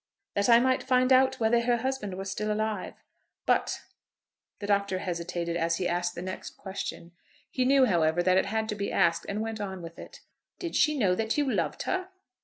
"That I might find out whether her husband were still alive." "But " The Doctor hesitated as he asked the next question. He knew, however, that it had to be asked, and went on with it. "Did she know that you loved her?"